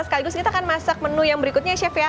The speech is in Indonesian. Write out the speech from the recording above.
sekaligus kita akan masak menu yang berikutnya chef ya